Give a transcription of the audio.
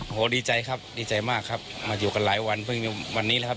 โอ้โหดีใจครับดีใจมากครับมาอยู่กันหลายวันเพิ่งวันนี้แล้วครับ